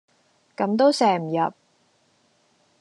咁都射唔入